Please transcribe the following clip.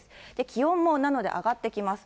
気温も、なので上がってきます。